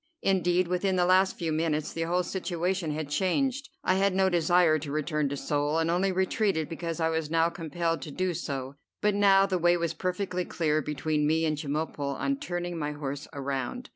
Indeed within the last few minutes the whole situation had changed. I had no desire to return to Seoul, and only retreated because I was compelled to do so; but now the way was perfectly clear between me and Chemulpo on turning my horse around.